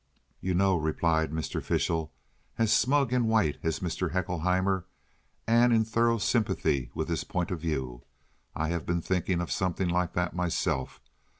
"You know," replied Mr. Fishel, as smug and white as Mr. Haeckelheimer, and in thorough sympathy with his point of view, "I have been thinking of something like that myself.